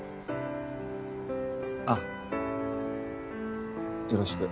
あよろしく。